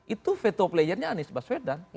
itu veto playernya anies baswedan